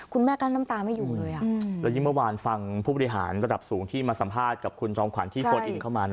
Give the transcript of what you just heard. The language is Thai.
คุณแม่กั้นน้ำตาไม่อยู่เลยแล้วยิ่งเมื่อวานฟังผู้บริหารระดับสูงที่มาสัมภาษณ์กับคุณจอมขวัญที่โฟนอินเข้ามา